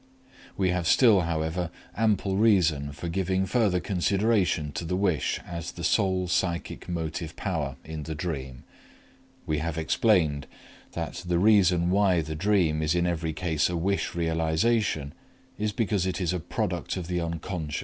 We have still, however, ample reason for giving further consideration to the wish as the sole psychic motive power in the dream. We have explained that the reason why the dream is in every case a wish realization is because it is a product of the Unc.